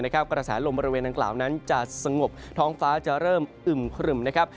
กระแสลมบริเวณดังกล่าวนั้นจะสงบท้องฟ้าจะเริ่มอึมครึ่มนะครับ